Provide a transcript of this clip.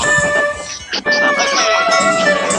یوه بله ښځه د کلي یادونه کوي.